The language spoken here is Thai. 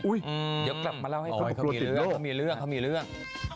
เดี๋ยวกลับมาเล่าให้เขาก็มีเรื่อง